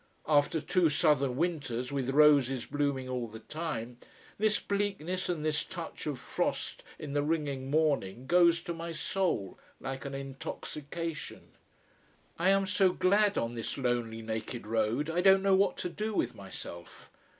After two southern winters, with roses blooming all the time, this bleakness and this touch of frost in the ringing morning goes to my soul like an intoxication. I am so glad, on this lonely naked road, I don't know what to do with myself.